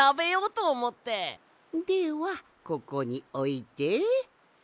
ではここにおいて。